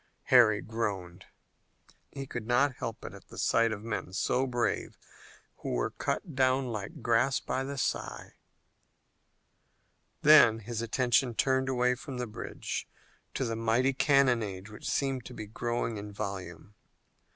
Harry groaned. He could not help it at the sight of men so brave who were cut down like grass by the scythe. Then his attention turned away from the bridge to the mighty cannonade which seemed to be growing in volume.